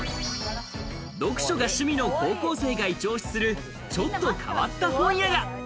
読書が趣味の高校生が一押しする、ちょっと変わった本屋が。